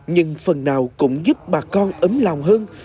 nhưng phần nào cũng giúp bà con ấm lòng hơn